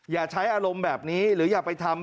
อย่าใช้อารมณ์แบบนี้หรืออย่าไปทำ